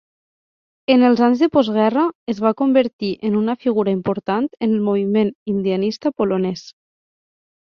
En els anys de postguerra, es va convertir en una figura important en el moviment "indianista" polonès.